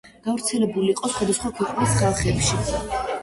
გავრცელებული იყო სხვადასხვა ქვეყნის ხალხებში.